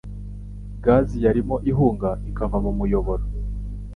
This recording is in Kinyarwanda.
Gazi yarimo ihunga ikava mu muyoboro.